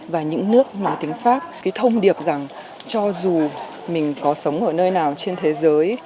và những nước mà tiếng pháp cái thông điệp rằng cho dù mình có sống ở nơi nào trên thế giới